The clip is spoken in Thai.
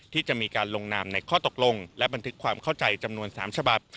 ที่จะมีการลงนามในข้อตกลงและบันทึกความเข้าใจจำนวน๓ฉบับ